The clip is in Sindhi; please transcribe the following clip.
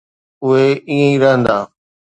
اهي ائين ئي رهندا.